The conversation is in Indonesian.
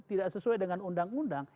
tidak sesuai dengan undang undang